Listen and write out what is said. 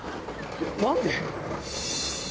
何で？